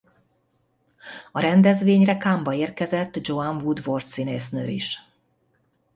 A rendezvényre Cannes-ba érkezett Joanne Woodward színésznő is.